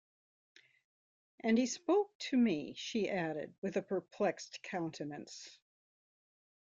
‘And he spoke to me,’ she added, with a perplexed countenance.